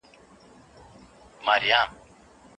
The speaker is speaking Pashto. که انلاين زده کړه وي د سفر لګښت کمېږي.